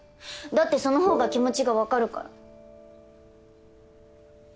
だってその方が気持ちが分かるから。